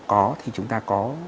có thì chúng ta có